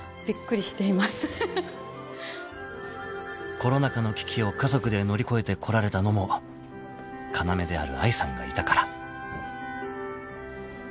［コロナ禍の危機を家族で乗り越えてこられたのも要である愛さんがいたから］